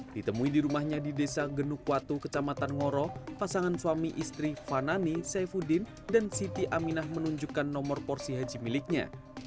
ditemui di rumahnya di desa genukwatu kecamatan ngoro pasangan suami istri fanani saifuddin dan siti aminah menunjukkan nomor porsi haji miliknya